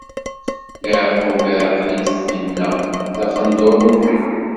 Yeɛqub iɛeql-it, inna: D aqendur n mmi!